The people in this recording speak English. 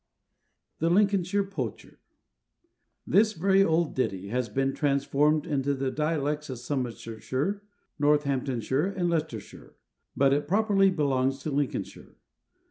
THE LINCOLNSHIRE POACHER. [THIS very old ditty has been transformed into the dialects of Somersetshire, Northamptonshire, and Leicestershire; but it properly belongs to Lincolnshire.